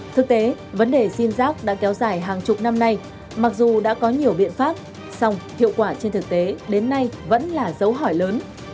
thực tế vấn đề sim giác đã kéo dài hàng chục năm nay mặc dù đã có nhiều biện pháp song hiệu quả trên thực tế đến nay vẫn là dấu hỏi lớn